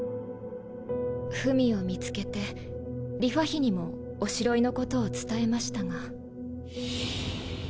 文を見つけて梨花妃にもおしろいのことを伝えましたが。